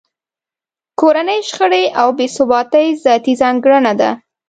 کورنۍ شخړې او بې ثباتۍ ذاتي ځانګړنه ده.